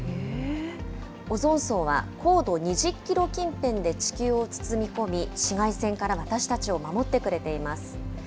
オゾン層は、高度２０キロ近辺で地球を包みこみ、紫外線から私たちを守ってくれています。